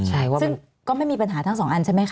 ซึ่งก็ไม่มีปัญหาทั้ง๒อันใช่ไหมค่ะ